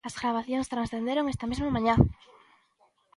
As gravacións transcenderon esta mesma mañá.